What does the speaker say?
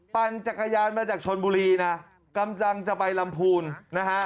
ปั่นจักรยานมาจากชนบุรีนะกำลังจะไปลำพูนนะฮะ